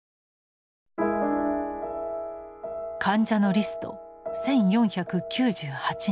患者のリスト１，４９８人。